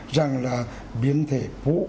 rằng là biến thể phụ